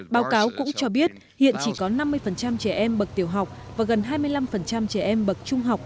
báo cáo cũng cho biết hiện chỉ có năm mươi trẻ em bậc tiểu học và gần hai mươi năm trẻ em bậc trung học